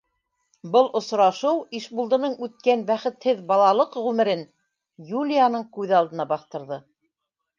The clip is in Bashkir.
Был осрашыу Ишбулдының үткән бәхетһеҙ балалыҡ ғүмерен Юлияның күҙ алдына баҫтырҙы.